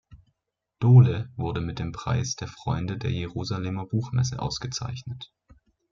Dohle wurde mit dem Preis der Freunde der Jerusalemer Buchmesse ausgezeichnet.